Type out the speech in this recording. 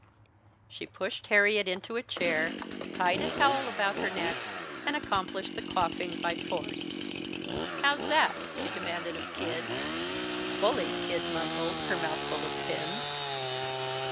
She pushed Harriet into a chair, tied a towel about her neck, and accomplished the coifing by force. "How's that?" she demanded of Kid. "Bully!" Kid mumbled, her mouth full of pins.